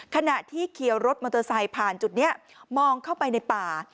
ขณะที่เขียวรถมอเตอร์ไซค์ผ่านจุดนี้มองเข้าไปในป่า